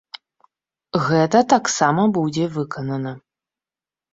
Гэта таксама будзе выканана.